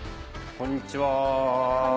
こんにちは。